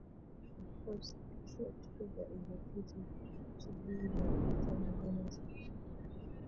The prostrate figure is reputed to be the pretender Gaumata.